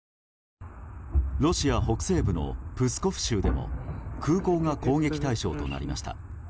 ロシア北西部のプスコフ州でも空港が攻撃対象となりました。